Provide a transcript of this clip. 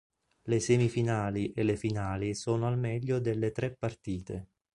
Le semifinali e le finali sono al meglio delle tre partite.